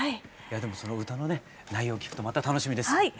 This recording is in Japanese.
でもその歌のね内容を聞くとまた楽しみです。